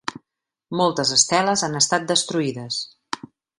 Moltes esteles han estat destruïdes.